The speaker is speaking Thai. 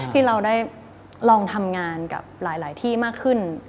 ที่เราได้ลองทำงานกับหลายที่มากขึ้น